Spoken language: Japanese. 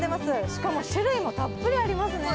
しかも種類もたっぷりありますね。